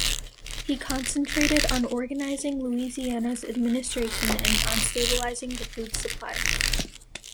He concentrated on organizing Louisiana's administration and on stabilizing the food supply.